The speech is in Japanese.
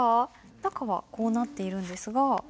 中はこうなっているんですが。